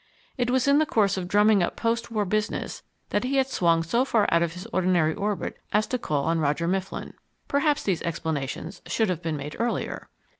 It was in the course of drumming up post war business that he had swung so far out of his ordinary orbit as to call on Roger Mifflin. Perhaps these explanations should have been made earlier.